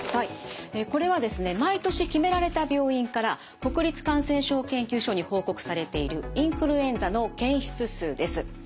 これはですね毎年決められた病院から国立感染症研究所に報告されているインフルエンザの検出数です。